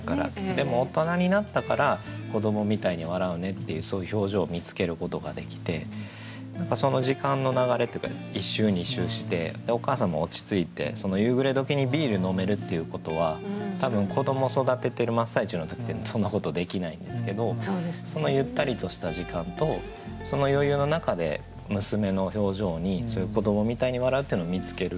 でも大人になったから「子どもみたいに笑ふね」っていうそういう表情を見つけることができて何かその時間の流れっていうか１周２周してお母さんも落ち着いて夕暮れ時にビール飲めるっていうことは多分子ども育ててる真っ最中の時ってそんなことできないんですけどそのゆったりとした時間とその余裕の中で娘の表情にそういう「子どもみたいに笑ふ」っていうのを見つける。